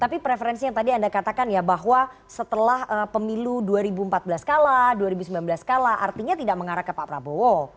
tapi preferensi yang tadi anda katakan ya bahwa setelah pemilu dua ribu empat belas kalah dua ribu sembilan belas kalah artinya tidak mengarah ke pak prabowo